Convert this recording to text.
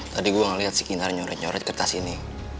tadi gue ngeliat si kinar nyoret nyoret kertas ini